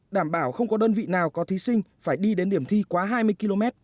đảm bảo không có đơn vị nào có thí sinh phải đi đến điểm thi quá hai mươi km